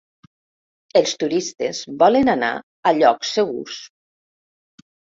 Els turistes volen anar a llocs segurs.